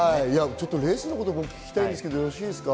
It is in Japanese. レースのこと聞きたいんですがよろしいですか？